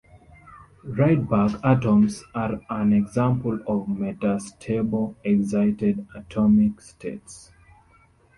Rydberg atoms are an example of metastable excited atomic states.